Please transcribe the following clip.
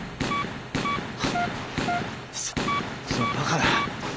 そそんなばかな。